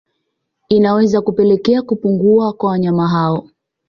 Inaweza kupelekea kupungua kwa wanyama hao